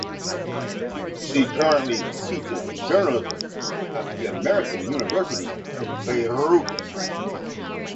She currently teaches journalism at the American University of Beirut.